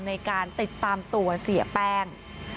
ในการติดตามตัวเสียแป้ง